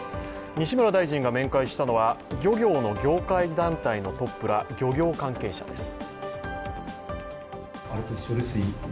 西村大臣が面会したのは漁業の業界団体のトップら漁業関係者です。